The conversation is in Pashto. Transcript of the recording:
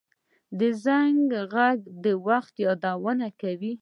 د زنګ غږ د وخت یادونه کوي